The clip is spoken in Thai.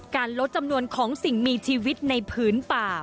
ลดจำนวนของสิ่งมีชีวิตในผืนป่า